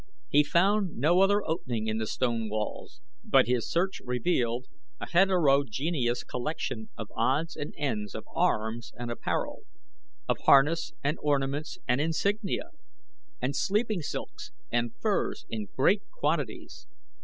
He found no other opening in the stone walls, but his search revealed a heterogeneous collection of odds and ends of arms and apparel, of harness and ornaments and insignia, and sleeping silks and furs in great quantities.